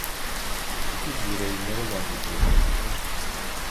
Otuz lirayı nereden mi bulacakmışım?